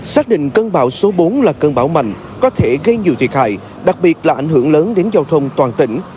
xác định cơn bão số bốn là cơn bão mạnh có thể gây nhiều thiệt hại đặc biệt là ảnh hưởng lớn đến giao thông toàn tỉnh